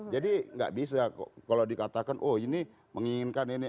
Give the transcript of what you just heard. jadi gak bisa kalau dikatakan oh ini menginginkan ini